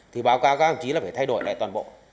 thì báo cáo các ông chí là phải thay đổi lại toàn bộ